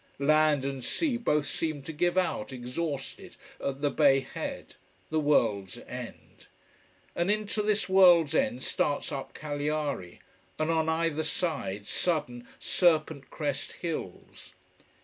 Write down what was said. Land and sea both seem to give out, exhausted, at the bay head: the world's end. And into this world's end starts up Cagliari, and on either side, sudden, serpent crest hills.